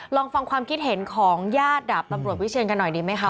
ลองฟังความคิดเห็นของญาติดาบตำรวจวิเชียนกันหน่อยดีไหมคะ